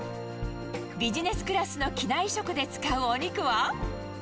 ビジネスクラスの機内食で使うお肉は。